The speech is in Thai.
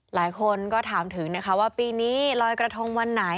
หลายคนก็ถามถึงนะคะว่าปีนี้ลอยกระทงวันไหน